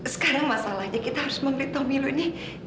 sekarang masalahnya kita harus memberitahu milo ini